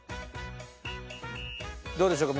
どうでしょうか？